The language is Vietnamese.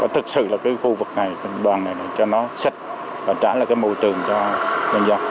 thực sự là phương phục này đoàn này cho nó sạch và trả lại môi trường cho dân dân